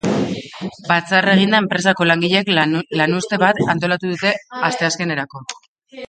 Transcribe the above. Batzarra eginda, enpresako langileek lanuzte bat antolatu dute asteazkenerako.